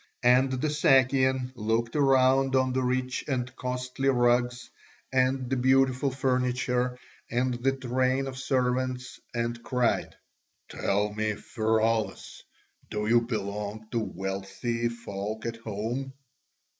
And the Sakian looked round on the rich and costly rugs, and the beautiful furniture, and the train of servants, and cried: "Tell me, Pheraulas, do you belong to wealthy folk at home?"